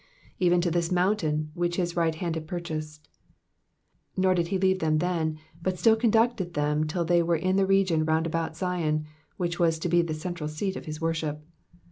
"'Eoen to this mountain^ which his right hand had purchased.''^ Nor did he leave them then, but still conducted them till they were in the region round about Zion, which was to be the central seat of his worship.